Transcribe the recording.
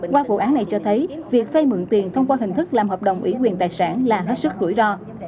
qua vụ án này cho thấy việc phê mượn tiền thông qua hình thức làm hợp đồng ủy quyền tài sản là hết sức rủi ro